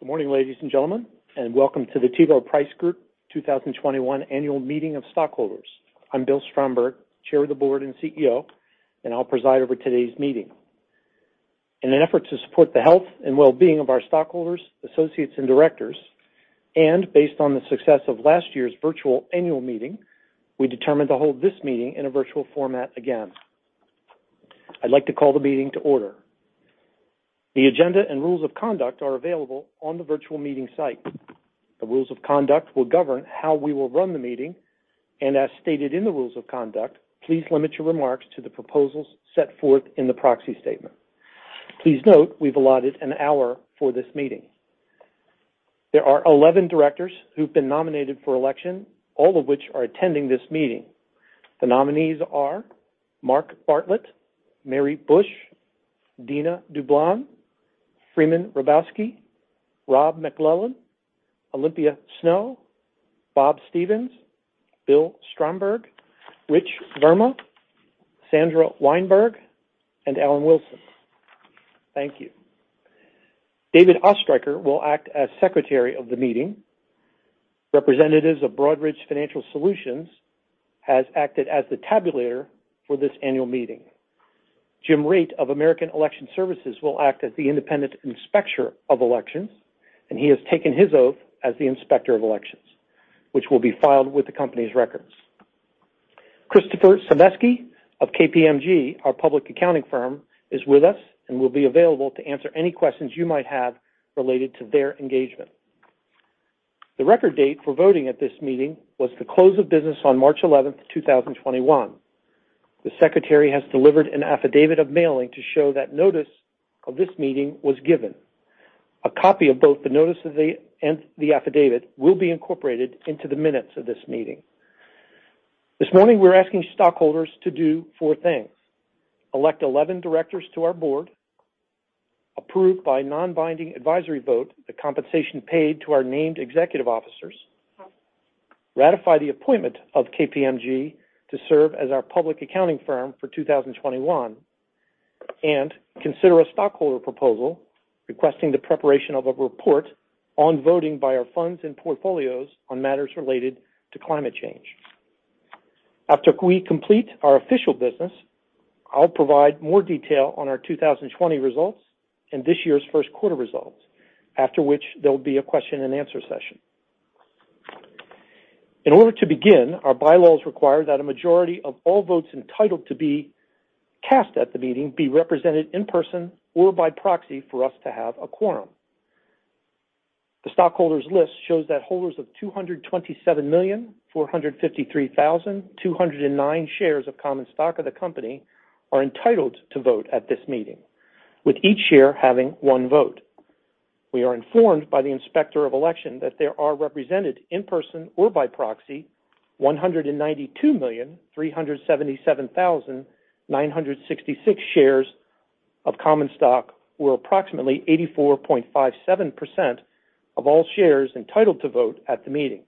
Good morning, ladies and gentlemen, and welcome to the T. Rowe Price Group 2021 Annual Meeting of Stockholders. I'm Bill Stromberg, Chairman of the Board and CEO, and I'll preside over today's meeting. In an effort to support the health and well-being of our stockholders, associates, and directors, and based on the success of last year's virtual annual meeting, we determined to hold this meeting in a virtual format again. I'd like to call the meeting to order. The agenda and rules of conduct are available on the virtual meeting site. The rules of conduct will govern how we will run the meeting, and as stated in the rules of conduct, please limit your remarks to the proposals set forth in the proxy statement. Please note, we've allotted an hour for this meeting. There are 11 directors who've been nominated for election, all of which are attending this meeting. The nominees are Mark Bartlett, Mary Bush, Dina Dublon, Freeman Hrabowski, Robert MacLellan, Olympia Snowe, Bob Stevens, Bill Stromberg, Rich Verma, Sandra Wijnberg, and Alan Wilson. Thank you. David Oestreicher will act as secretary of the meeting. Representatives of Broadridge Financial Solutions has acted as the tabulator for this annual meeting. Jim Raitt of American Election Services will act as the independent inspector of elections, and he has taken his oath as the inspector of elections, which will be filed with the company's records. Christopher Sivesky of KPMG, our public accounting firm, is with us and will be available to answer any questions you might have related to their engagement. The record date for voting at this meeting was the close of business on March 11, 2021. The secretary has delivered an affidavit of mailing to show that notice of this meeting was given. A copy of both the notice and the affidavit will be incorporated into the minutes of this meeting. This morning, we're asking stockholders to do four things: elect 11 directors to our board, approve by non-binding advisory vote the compensation paid to our named executive officers, ratify the appointment of KPMG to serve as our public accounting firm for 2021, and consider a stockholder proposal requesting the preparation of a report on voting by our funds and portfolios on matters related to climate change. After we complete our official business, I'll provide more detail on our 2020 results and this year's first quarter results, after which there'll be a question and answer session. In order to begin, our bylaws require that a majority of all votes entitled to be cast at the meeting be represented in person or by proxy for us to have a quorum. The stockholders list shows that holders of 227,453,209 shares of common stock of the company are entitled to vote at this meeting, with each share having one vote. We are informed by the inspector of election that there are represented in person or by proxy 192,377,966 shares of common stock, or approximately 84.57% of all shares entitled to vote at the meeting.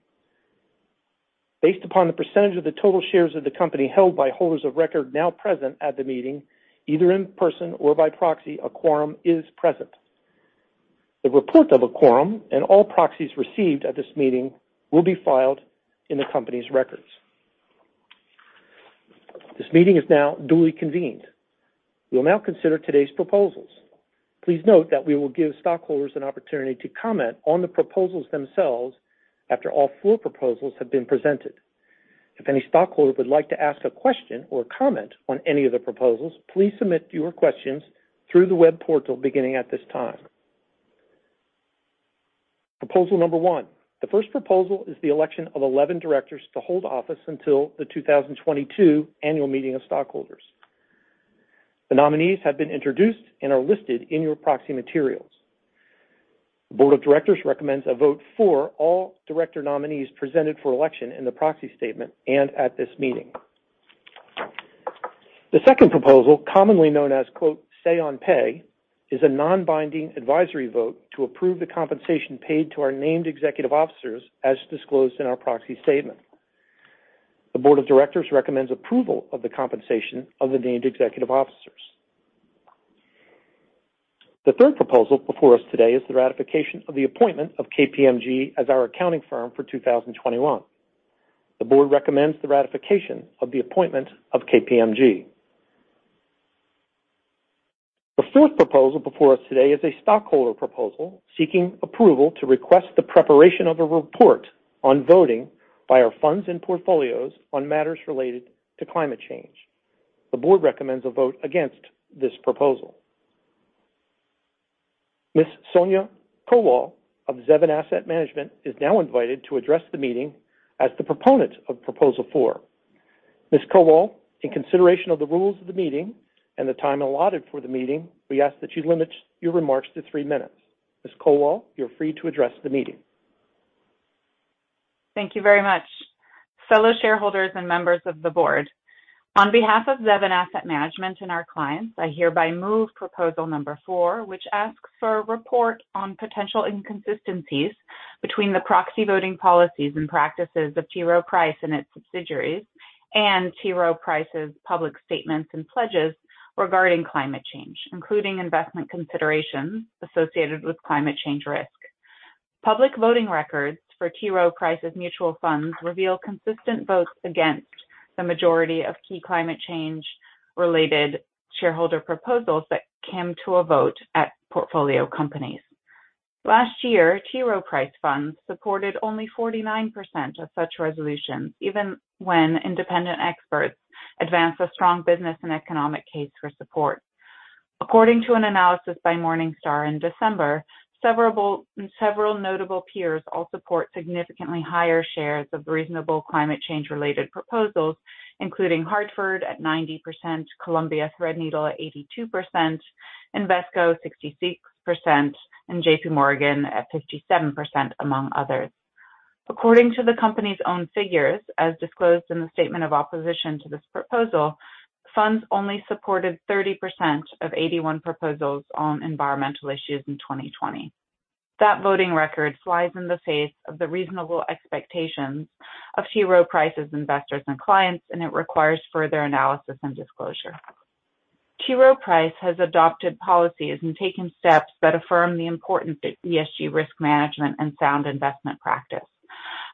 Based upon the percentage of the total shares of the company held by holders of record now present at the meeting, either in person or by proxy, a quorum is present. The report of a quorum and all proxies received at this meeting will be filed in the company's records. This meeting is now duly convened. We will now consider today's proposals. Please note that we will give stockholders an opportunity to comment on the proposals themselves after all four proposals have been presented. If any stockholder would like to ask a question or comment on any of the proposals, please submit your questions through the web portal beginning at this time. Proposal number one. The first proposal is the election of 11 directors to hold office until the 2022 annual meeting of stockholders. The nominees have been introduced and are listed in your proxy materials. The board of directors recommends a vote for all director nominees presented for election in the proxy statement and at this meeting. The second proposal, commonly known as, "say on pay," is a non-binding advisory vote to approve the compensation paid to our named executive officers as disclosed in our proxy statement. The board of directors recommends approval of the compensation of the named executive officers. The third proposal before us today is the ratification of the appointment of KPMG as our accounting firm for 2021. The board recommends the ratification of the appointment of KPMG. The fourth proposal before us today is a stockholder proposal seeking approval to request the preparation of a report on voting by our funds and portfolios on matters related to climate change. The board recommends a vote against this proposal. Ms. Sonia Kowal of Zevin Asset Management is now invited to address the meeting as the proponent of proposal four. Ms. Kowal, in consideration of the rules of the meeting and the time allotted for the meeting, we ask that you limit your remarks to three minutes. Ms. Kowal, you're free to address the meeting. Thank you very much. Fellow shareholders and members of the board, on behalf of Zevin Asset Management and our clients, I hereby move proposal number 4, which asks for a report on potential inconsistencies between the proxy voting policies and practices of T. Rowe Price and its subsidiaries, and T. Rowe Price's public statements and pledges regarding climate change, including investment considerations associated with climate change risk. Public voting records for T. Rowe Price's mutual funds reveal consistent votes against the majority of key climate change-related shareholder proposals that came to a vote at portfolio companies. Last year, T. Rowe Price funds supported only 49% of such resolutions, even when independent experts advanced a strong business and economic case for support. According to an analysis by Morningstar in December, several notable peers all support significantly higher shares of reasonable climate change-related proposals, including Hartford at 90%, Columbia Threadneedle at 82%, Invesco 66%, and J.P. Morgan at 57%, among others. According to the company's own figures, as disclosed in the statement of opposition to this proposal, funds only supported 30% of 81 proposals on environmental issues in 2020. That voting record flies in the face of the reasonable expectations of T. Rowe Price's investors and clients, and it requires further analysis and disclosure. T. Rowe Price has adopted policies and taken steps that affirm the importance of ESG risk management and sound investment practice.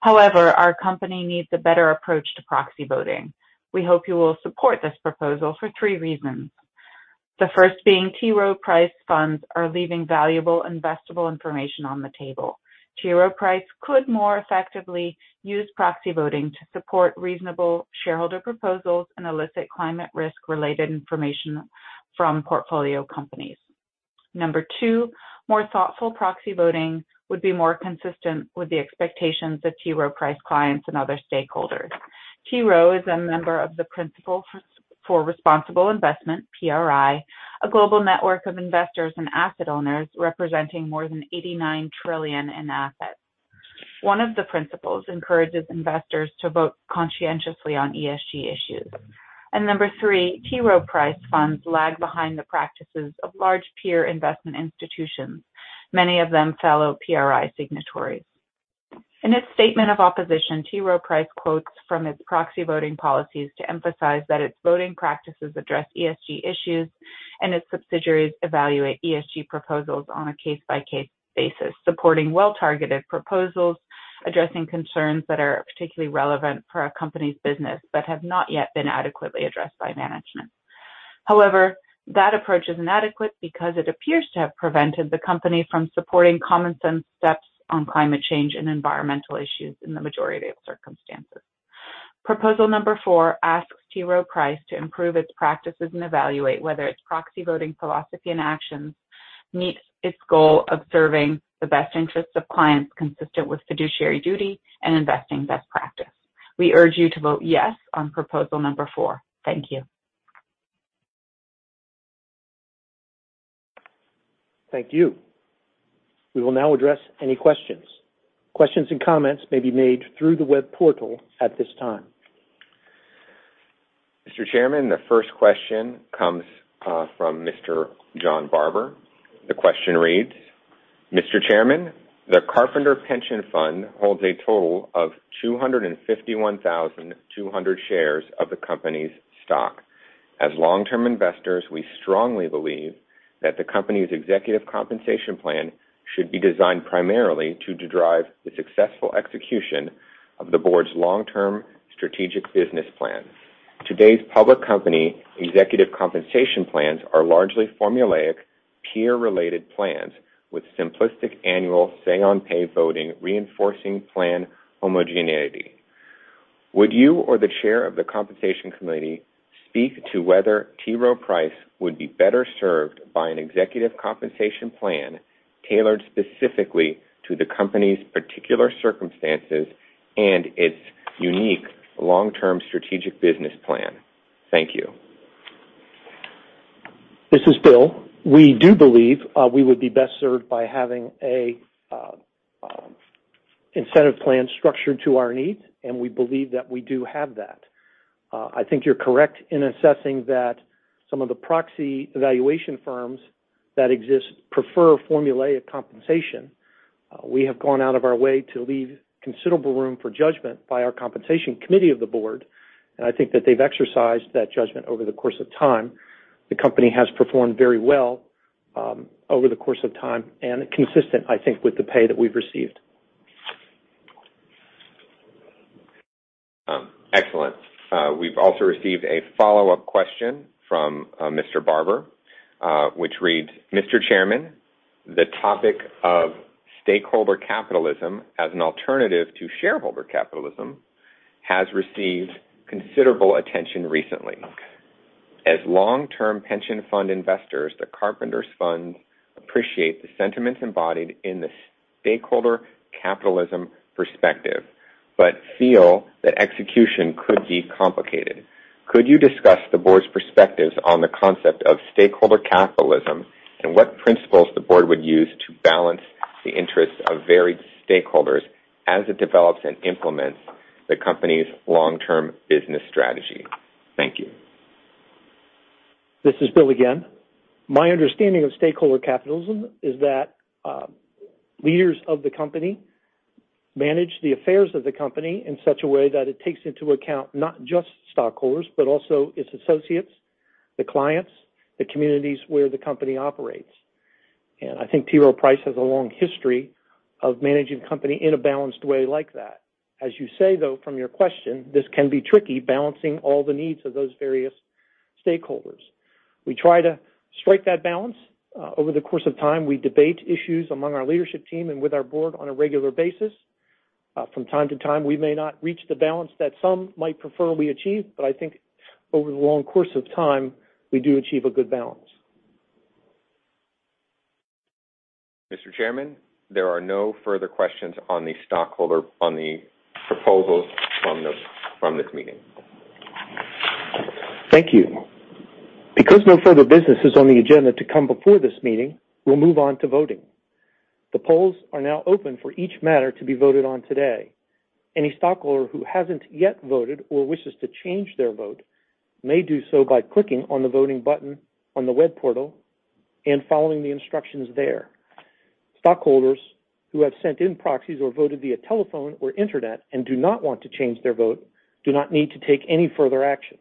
However, our company needs a better approach to proxy voting. We hope you will support this proposal for three reasons. The first being T. Rowe Price funds are leaving valuable investable information on the table. Rowe Price could more effectively use proxy voting to support reasonable shareholder proposals and elicit climate risk-related information from portfolio companies. Number two, more thoughtful proxy voting would be more consistent with the expectations of T. Rowe Price clients and other stakeholders. T. Rowe is a member of the Principles for Responsible Investment, PRI, a global network of investors and asset owners representing more than $89 trillion in assets. One of the principles encourages investors to vote conscientiously on ESG issues. Number three, T. Rowe Price funds lag behind the practices of large peer investment institutions, many of them fellow PRI signatories. In its statement of opposition, T. Rowe Price quotes from its proxy voting policies to emphasize that its voting practices address ESG issues and its subsidiaries evaluate ESG proposals on a case-by-case basis, supporting well-targeted proposals addressing concerns that are particularly relevant for a company's business but have not yet been adequately addressed by management. That approach is inadequate because it appears to have prevented the company from supporting common sense steps on climate change and environmental issues in the majority of circumstances. Proposal number four asks T. Rowe Price to improve its practices and evaluate whether its proxy voting philosophy and actions meets its goal of serving the best interests of clients consistent with fiduciary duty and investing best practice. We urge you to vote yes on proposal number four. Thank you. Thank you. We will now address any questions. Questions and comments may be made through the web portal at this time. Mr. Chairman, the first question comes from Mr. John Barber. The question reads: Mr. Chairman, the Carpenters Pension Fund holds a total of 251,200 shares of the company's stock. As long-term investors, we strongly believe that the company's executive compensation plan should be designed primarily to drive the successful execution of the board's long-term strategic business plan. Today's public company executive compensation plans are largely formulaic, peer-related plans with simplistic annual say on pay voting reinforcing plan homogeneity. Would you or the chair of the compensation committee speak to whether T. Rowe Price would be better served by an executive compensation plan tailored specifically to the company's particular circumstances and its unique long-term strategic business plan? Thank you. This is Bill. We do believe we would be best served by having an incentive plan structured to our needs, and we believe that we do have that. I think you're correct in assessing that some of the proxy evaluation firms that exist prefer formulaic compensation. We have gone out of our way to leave considerable room for judgment by our compensation committee of the board, and I think that they've exercised that judgment over the course of time. The company has performed very well over the course of time and consistent, I think, with the pay that we've received. Excellent. We've also received a follow-up question from Mr. Barber, which reads: Mr. Chairman, the topic of stakeholder capitalism as an alternative to shareholder capitalism has received considerable attention recently. As long-term pension fund investors, the Carpenter Funds appreciate the sentiments embodied in the stakeholder capitalism perspective but feel that execution could be complicated. Could you discuss the board's perspectives on the concept of stakeholder capitalism and what principles the board would use to balance the interests of varied stakeholders as it develops and implements the company's long-term business strategy? Thank you. This is Bill again. My understanding of stakeholder capitalism is that leaders of the company manage the affairs of the company in such a way that it takes into account not just stockholders, but also its associates, the clients, the communities where the company operates. I think T. Rowe Price has a long history of managing the company in a balanced way like that. As you say, though, from your question, this can be tricky, balancing all the needs of those various stakeholders. We try to strike that balance. Over the course of time, we debate issues among our leadership team and with our board on a regular basis. From time to time, we may not reach the balance that some might prefer we achieve, but I think over the long course of time, we do achieve a good balance. Mr. Chairman, there are no further questions on the proposals from this meeting. Thank you. Because no further business is on the agenda to come before this meeting, we'll move on to voting. The polls are now open for each matter to be voted on today. Any stockholder who hasn't yet voted or wishes to change their vote may do so by clicking on the voting button on the web portal and following the instructions there. Stockholders who have sent in proxies or voted via telephone or internet and do not want to change their vote do not need to take any further action.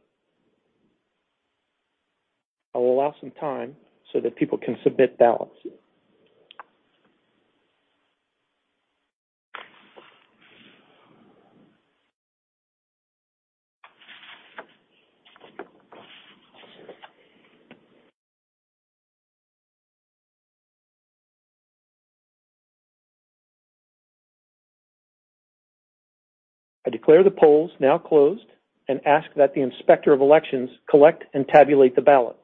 I will allow some time so that people can submit ballots. I declare the polls now closed and ask that the Inspector of Elections collect and tabulate the ballots.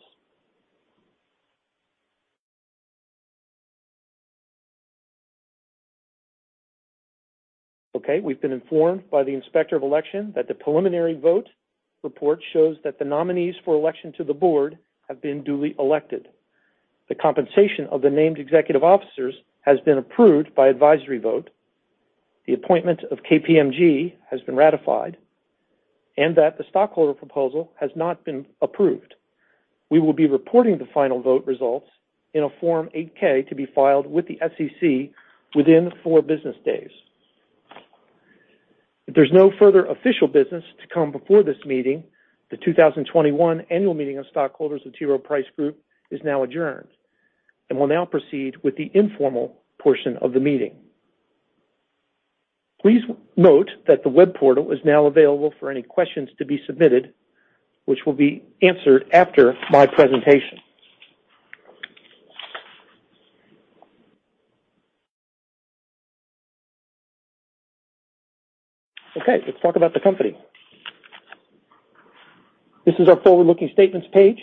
Okay, we've been informed by the Inspector of Elections that the preliminary vote report shows that the nominees for election to the board have been duly elected, the compensation of the named executive officers has been approved by advisory vote, the appointment of KPMG has been ratified, and that the stockholder proposal has not been approved. We will be reporting the final vote results in a Form 8-K to be filed with the SEC within 4 business days. If there's no further official business to come before this meeting, the 2021 annual meeting of stockholders of T. Rowe Price Group is now adjourned, and we'll now proceed with the informal portion of the meeting. Please note that the web portal is now available for any questions to be submitted, which will be answered after my presentation. Okay, let's talk about the company. This is our forward-looking statements page.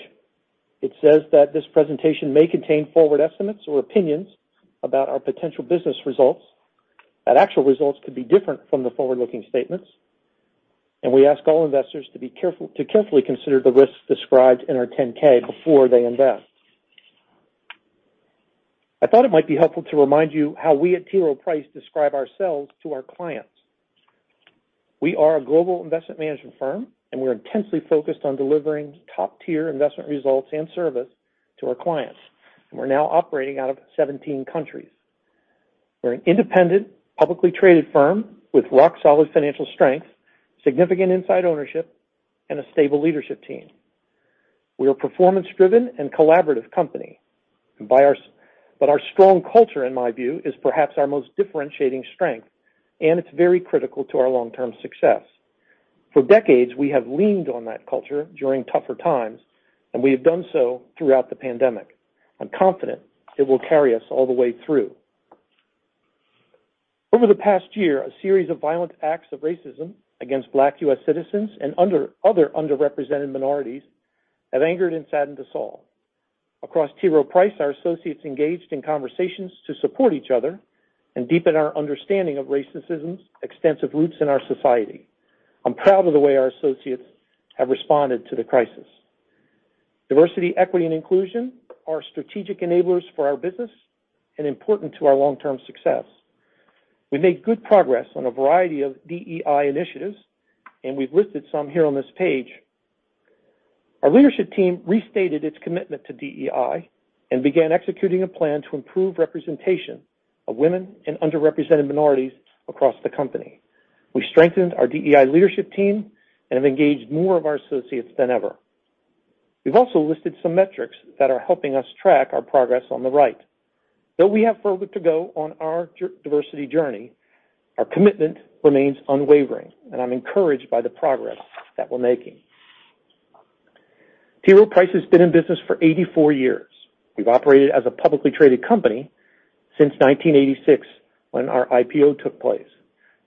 It says that this presentation may contain forward estimates or opinions about our potential business results, that actual results could be different from the forward-looking statements, and we ask all investors to carefully consider the risks described in our 10-K before they invest. I thought it might be helpful to remind you how we at T. Rowe Price describe ourselves to our clients. We are a global investment management firm, we're intensely focused on delivering top-tier investment results and service to our clients. We're now operating out of 17 countries. We're an independent, publicly traded firm with rock-solid financial strength, significant inside ownership, and a stable leadership team. We are a performance-driven and collaborative company. Our strong culture, in my view, is perhaps our most differentiating strength, and it's very critical to our long-term success. For decades, we have leaned on that culture during tougher times, and we have done so throughout the pandemic. I'm confident it will carry us all the way through. Over the past year, a series of violent acts of racism against Black U.S. citizens and other underrepresented minorities have angered and saddened us all. Across T. Rowe Price, our associates engaged in conversations to support each other and deepen our understanding of racism's extensive roots in our society. I'm proud of the way our associates have responded to the crisis. Diversity, Equity, and Inclusion are strategic enablers for our business and important to our long-term success. We made good progress on a variety of DEI initiatives, and we've listed some here on this page. Our leadership team restated its commitment to DEI and began executing a plan to improve representation of women and underrepresented minorities across the company. We strengthened our DEI leadership team and have engaged more of our associates than ever. We've also listed some metrics that are helping us track our progress on the right. Though we have further to go on our diversity journey, our commitment remains unwavering, and I'm encouraged by the progress that we're making. T. Rowe Price has been in business for 84 years. We've operated as a publicly traded company since 1986 when our IPO took place.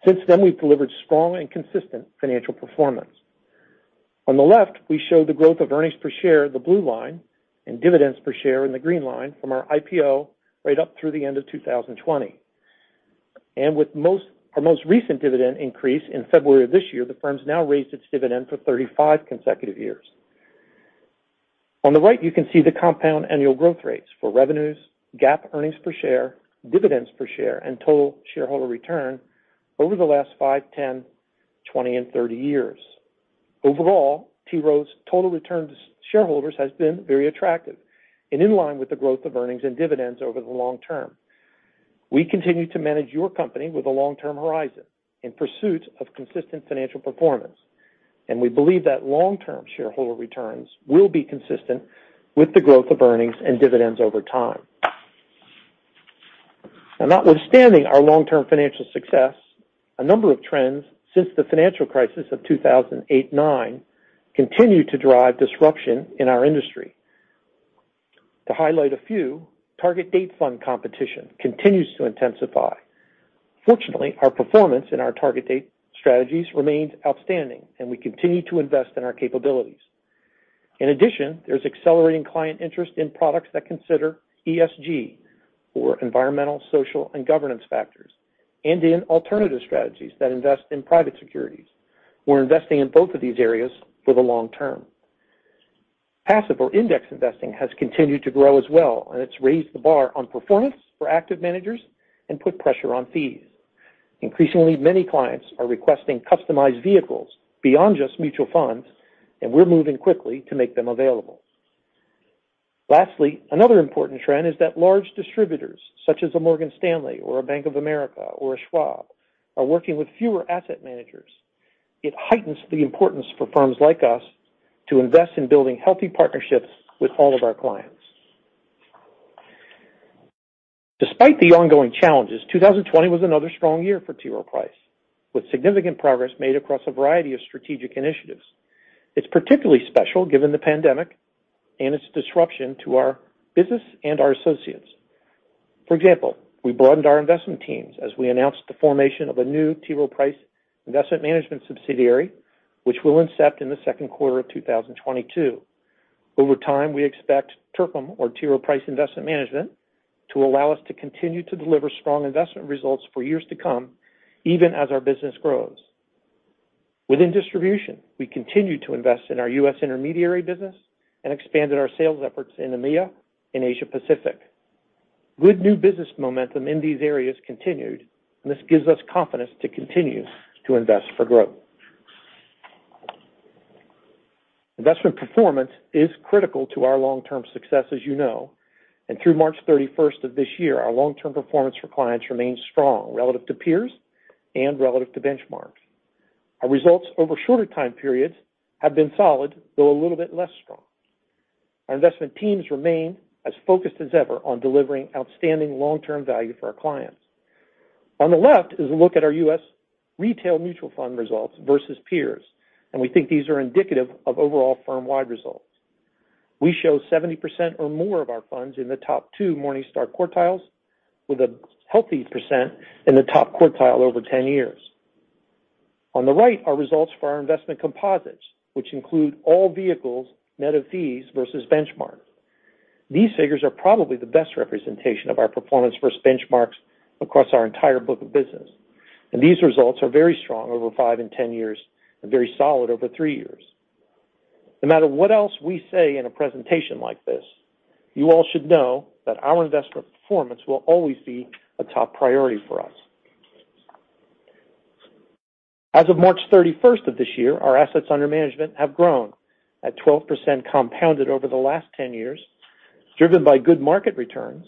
Since then, we've delivered strong and consistent financial performance. On the left, we show the growth of earnings per share, the blue line, and dividends per share in the green line from our IPO right up through the end of 2020. With our most recent dividend increase in February of this year, the firm's now raised its dividend for 35 consecutive years. On the right, you can see the compound annual growth rates for revenues, GAAP earnings per share, dividends per share, and total shareholder return over the last five, 10, 20 and 30 years. Overall, T. Rowe Price's total return to shareholders has been very attractive and in line with the growth of earnings and dividends over the long term. We continue to manage your company with a long-term horizon in pursuit of consistent financial performance, and we believe that long-term shareholder returns will be consistent with the growth of earnings and dividends over time. Now, notwithstanding our long-term financial success, a number of trends since the financial crisis of 2008-2009 continue to drive disruption in our industry. To highlight a few, target date fund competition continues to intensify. Fortunately, our performance in our target date strategies remains outstanding, and we continue to invest in our capabilities. In addition, there's accelerating client interest in products that consider ESG, or environmental, social, and governance factors, and in alternative strategies that invest in private securities. We're investing in both of these areas for the long term. Passive or index investing has continued to grow as well, and it's raised the bar on performance for active managers and put pressure on fees. Increasingly, many clients are requesting customized vehicles beyond just mutual funds, and we're moving quickly to make them available. Lastly, another important trend is that large distributors, such as a Morgan Stanley or a Bank of America or a Schwab, are working with fewer asset managers. It heightens the importance for firms like us to invest in building healthy partnerships with all of our clients. Despite the ongoing challenges, 2020 was another strong year for T. Rowe Price, with significant progress made across a variety of strategic initiatives. It's particularly special given the pandemic and its disruption to our business and our associates. For example, we broadened our investment teams as we announced the formation of a new T. Rowe Price Investment Management subsidiary, which will incept in the second quarter of 2022. Over time, we expect TRIM, or T. Rowe Price Investment Management, to allow us to continue to deliver strong investment results for years to come, even as our business grows. Within distribution, we continue to invest in our U.S. intermediary business and expanded our sales efforts in EMEA and Asia Pacific. Good new business momentum in these areas continued, and this gives us confidence to continue to invest for growth. Investment performance is critical to our long-term success, as you know. Through March 31st of this year, our long-term performance for clients remains strong relative to peers and relative to benchmarks. Our results over shorter time periods have been solid, though a little bit less strong. Our investment teams remain as focused as ever on delivering outstanding long-term value for our clients. On the left is a look at our U.S. retail mutual fund results versus peers, and we think these are indicative of overall firm-wide results. We show 70% or more of our funds in the top two Morningstar quartiles with a healthy percent in the top quartile over 10 years. On the right are results for our investment composites, which include all vehicles net of fees versus benchmark. These figures are probably the best representation of our performance versus benchmarks across our entire book of business. These results are very strong over five and 10 years, and very solid over three years. No matter what else we say in a presentation like this, you all should know that our investment performance will always be a top priority for us. As of March 31st of this year, our assets under management have grown at 12% compounded over the last 10 years, driven by good market returns,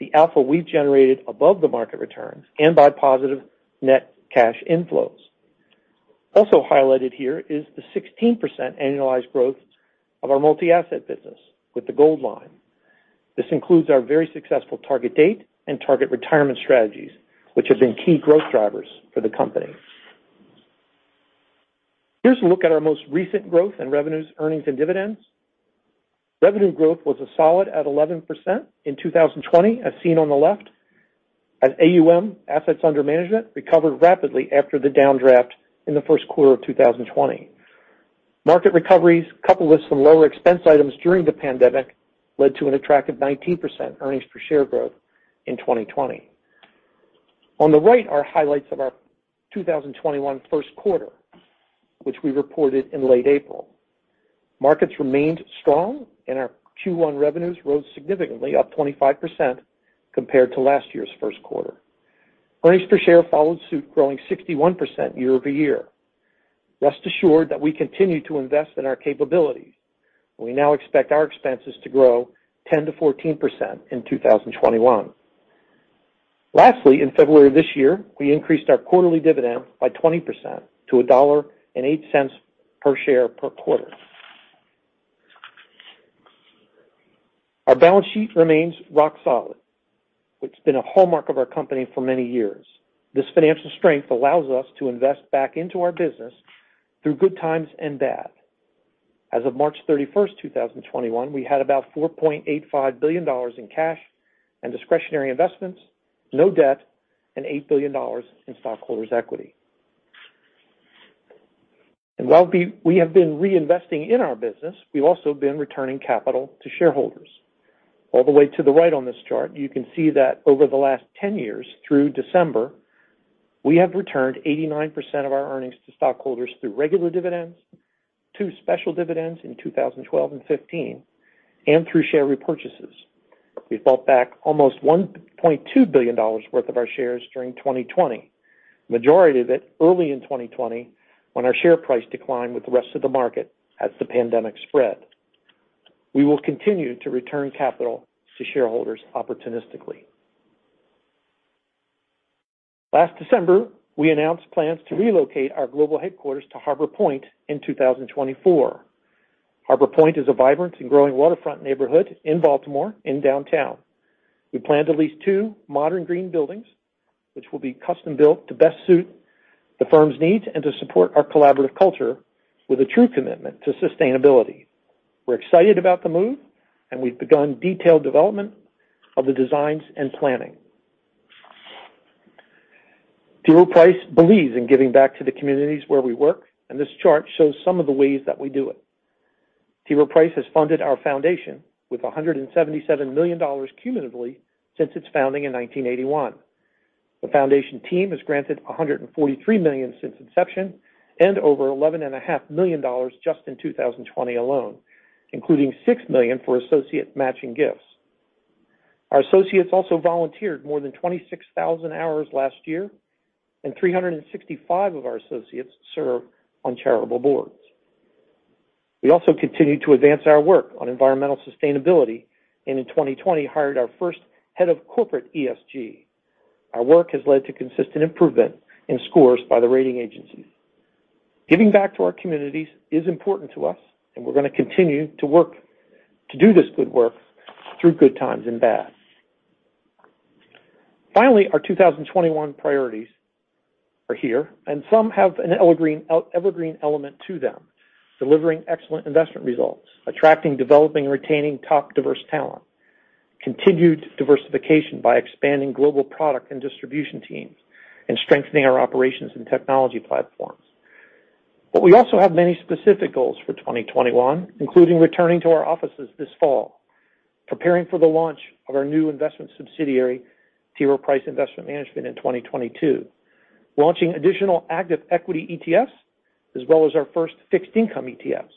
the alpha we've generated above the market returns, and by positive net cash inflows. Also highlighted here is the 16% annualized growth of our multi-asset business with the gold line. This includes our very successful target date and target retirement strategies, which have been key growth drivers for the company. Here's a look at our most recent growth in revenues, earnings, and dividends. Revenue growth was a solid at 11% in 2020, as seen on the left, as AUM, assets under management, recovered rapidly after the downdraft in the first quarter of 2020. Market recoveries, coupled with some lower expense items during the pandemic, led to an attractive 19% earnings per share growth in 2020. On the right are highlights of our 2021 first quarter, which we reported in late April. Markets remained strong, our Q1 revenues rose significantly, up 25% compared to last year's first quarter. Earnings per share followed suit, growing 61% year-over-year. Rest assured that we continue to invest in our capabilities. We now expect our expenses to grow 10% to 14% in 2021. Lastly, in February of this year, we increased our quarterly dividend by 20% to $1.08 per share per quarter. Our balance sheet remains rock solid. It's been a hallmark of our company for many years. This financial strength allows us to invest back into our business through good times and bad. As of March 31st, 2021, we had about $4.85 billion in cash and discretionary investments, no debt, and $8 billion in stockholders' equity. While we have been reinvesting in our business, we've also been returning capital to shareholders. All the way to the right on this chart, you can see that over the last 10 years, through December, we have returned 89% of our earnings to stockholders through regular dividends. Two special dividends in 2012 and 2015, and through share repurchases. We've bought back almost $1.2 billion worth of our shares during 2020, majority of it early in 2020 when our share price declined with the rest of the market as the pandemic spread. We will continue to return capital to shareholders opportunistically. Last December, we announced plans to relocate our global headquarters to Harbor Point in 2024. Harbor Point is a vibrant and growing waterfront neighborhood in Baltimore, in Downtown. We plan to lease two modern green buildings, which will be custom-built to best suit the firm's needs and to support our collaborative culture with a true commitment to sustainability. We're excited about the move, we've begun detailed development of the designs and planning. T. Rowe Price believes in giving back to the communities where we work, this chart shows some of the ways that we do it. T. Rowe Price has funded our Foundation with $177 million cumulatively since its founding in 1981. The Foundation team has granted $143 million since inception and over $11.5 million just in 2020 alone, including $6 million for associate matching gifts. Our associates also volunteered more than 26,000 hours last year, 365 of our associates serve on charitable boards. We also continue to advance our work on environmental sustainability, and in 2020, hired our first head of corporate ESG. Our work has led to consistent improvement in scores by the rating agencies. Giving back to our communities is important to us, and we're going to continue to do this good work through good times and bad. Finally, our 2021 priorities are here, and some have an evergreen element to them. Delivering excellent investment results. Attracting, developing, and retaining top diverse talent. Continued diversification by expanding global product and distribution teams, and strengthening our operations and technology platforms. We also have many specific goals for 2021, including returning to our offices this fall, preparing for the launch of our new investment subsidiary, T. Rowe Price Investment Management, in 2022. Launching additional active equity ETFs, as well as our first fixed income ETFs.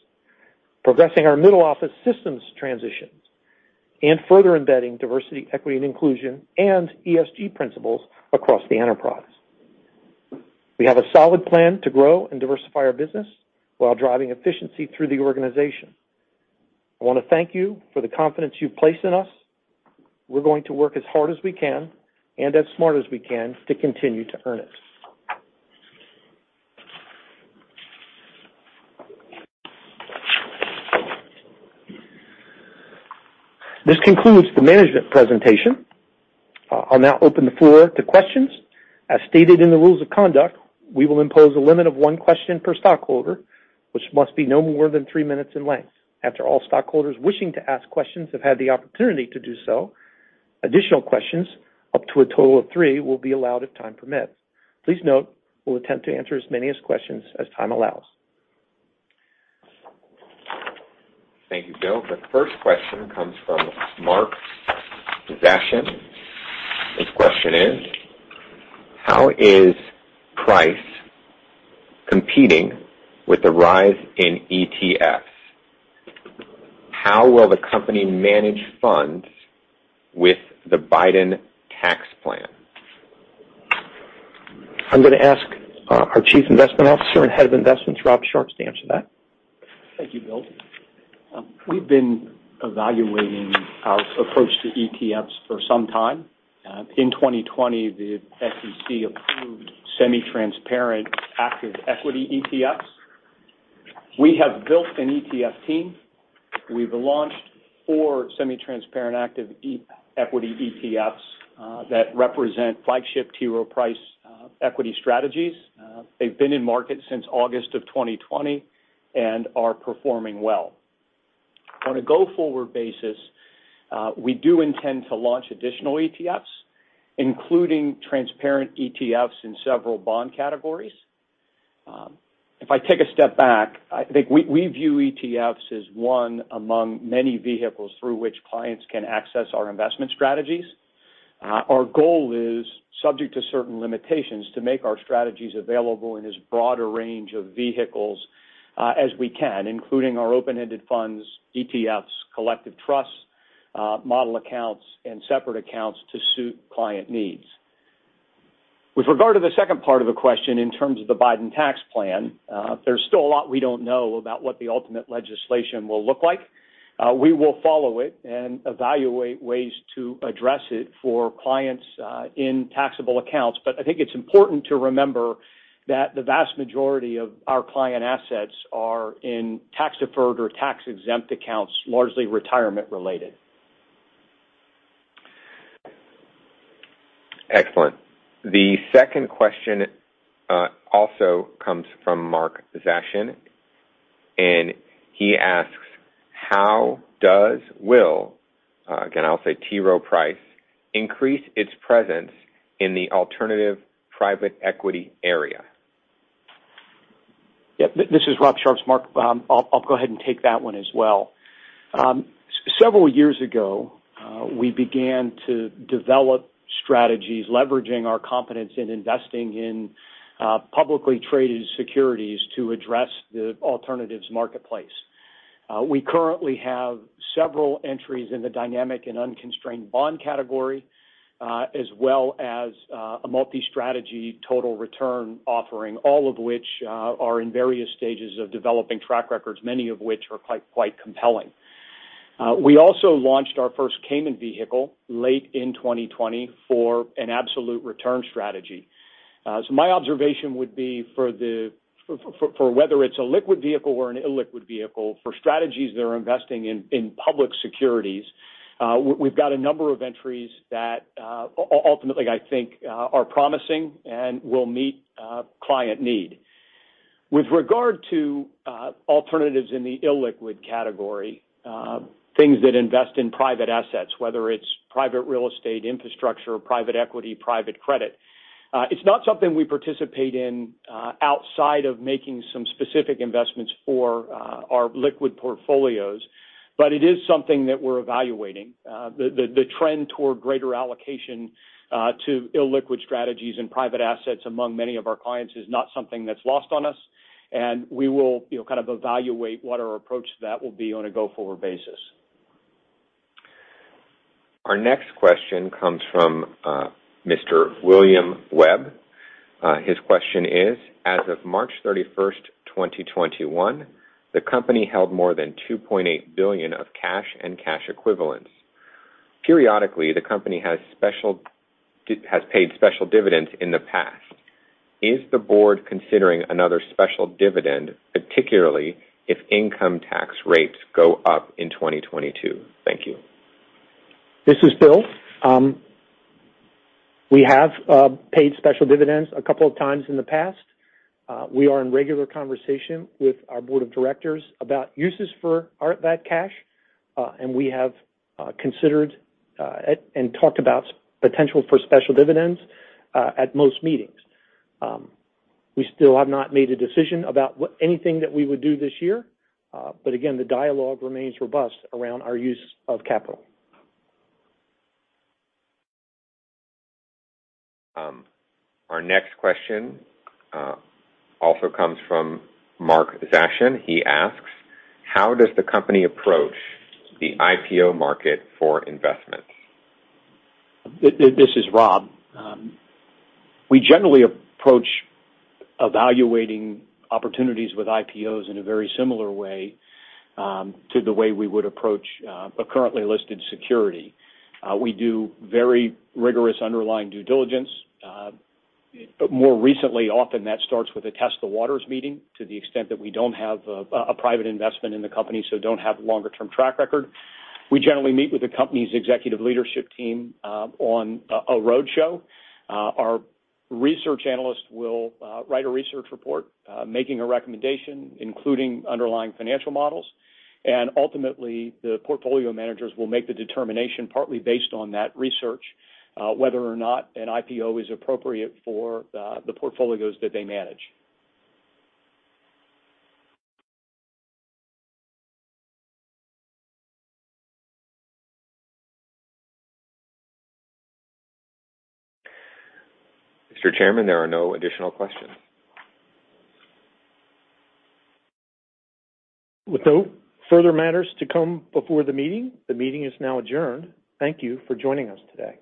Progressing our middle office systems transitions, further embedding diversity, equity, and inclusion and ESG principles across the enterprise. We have a solid plan to grow and diversify our business while driving efficiency through the organization. I want to thank you for the confidence you've placed in us. We're going to work as hard as we can and as smart as we can to continue to earn it. This concludes the management presentation. I'll now open the floor to questions. As stated in the rules of conduct, we will impose a limit of one question per stockholder, which must be no more than three minutes in length. After all stockholders wishing to ask questions have had the opportunity to do so, additional questions, up to a total of three, will be allowed if time permits. Please note, we'll attempt to answer as many as questions as time allows. Thank you, Bill. The first question comes from Mark Zeshan. His question is, how is Price competing with the rise in ETFs? How will the company manage funds with the Biden tax plan? I'm going to ask our Chief Investment Officer and Head of Investments, Rob Sharps, to answer that. Thank you, Bill. We've been evaluating our approach to ETFs for some time. In 2020, the SEC approved semi-transparent active equity ETFs. We have built an ETF team. We've launched four semi-transparent active equity ETFs that represent flagship T. Rowe Price equity strategies. They've been in market since August of 2020 and are performing well. On a go-forward basis, we do intend to launch additional ETFs, including transparent ETFs in several bond categories. If I take a step back, I think we view ETFs as one among many vehicles through which clients can access our investment strategies. Our goal is, subject to certain limitations, to make our strategies available in as broad a range of vehicles as we can, including our open-ended funds, ETFs, collective trusts, model accounts, and separate accounts to suit client needs. With regard to the second part of the question in terms of the Biden tax plan, there's still a lot we don't know about what the ultimate legislation will look like. We will follow it and evaluate ways to address it for clients in taxable accounts. I think it's important to remember that the vast majority of our client assets are in tax-deferred or tax-exempt accounts, largely retirement related. Excellent. The second question also comes from Mark Zeshan, He asks, how does/will, again, I'll say T. Rowe Price, increase its presence in the alternative private equity area? Yep. This is Rob Sharps. Mark, I'll go ahead and take that one as well. Several years ago, we began to develop strategies leveraging our competence in investing in publicly traded securities to address the alternatives marketplace. We currently have several entries in the dynamic and unconstrained bond category as well as a multi-strategy total return offering, all of which are in various stages of developing track records, many of which are quite compelling. We also launched our first Cayman vehicle late in 2020 for an absolute return strategy. My observation would be for whether it's a liquid vehicle or an illiquid vehicle, for strategies that are investing in public securities, we've got a number of entries that ultimately, I think, are promising and will meet client need. With regard to alternatives in the illiquid category, things that invest in private assets, whether it's private real estate infrastructure, private equity, private credit. It's not something we participate in outside of making some specific investments for our liquid portfolios, but it is something that we're evaluating. The trend toward greater allocation to illiquid strategies and private assets among many of our clients is not something that's lost on us, and we will evaluate what our approach to that will be on a go-forward basis. Our next question comes from Mr. William Webb. His question is, as of March 31st, 2021, the company held more than $2.8 billion of cash and cash equivalents. Periodically, the company has paid special dividends in the past. Is the board considering another special dividend, particularly if income tax rates go up in 2022? Thank you. This is Bill. We have paid special dividends a couple of times in the past. We are in regular conversation with our board of directors about uses for that cash. We have considered and talked about potential for special dividends at most meetings. We still have not made a decision about anything that we would do this year. Again, the dialogue remains robust around our use of capital. Our next question also comes from Mark Zeshan. He asks, how does the company approach the IPO market for investments? This is Rob. We generally approach evaluating opportunities with IPOs in a very similar way to the way we would approach a currently listed security. We do very rigorous underlying due diligence. More recently, often that starts with a test the waters meeting to the extent that we don't have a private investment in the company, so don't have longer-term track record. We generally meet with the company's executive leadership team on a roadshow. Our research analyst will write a research report making a recommendation, including underlying financial models. Ultimately, the portfolio managers will make the determination partly based on that research whether or not an IPO is appropriate for the portfolios that they manage. Mr. Chairman, there are no additional questions. With no further matters to come before the meeting, the meeting is now adjourned. Thank you for joining us today.